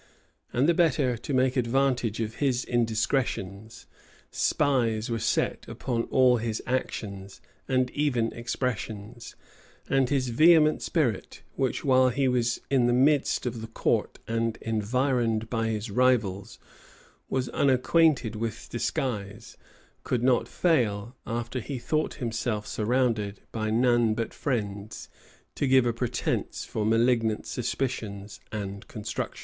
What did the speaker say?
[] And the better to make advantage of his indiscretions, spies were set upon all his actions, and even expressions; and his vehement spirit, which, while he was in the midst of the court and environed by his rivals, was unacquainted with disguise, could not fail, after he thought himself surrounded by none but friends, to give a pretence for malignant suspicions and constructions.